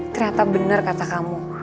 ternyata bener kata kamu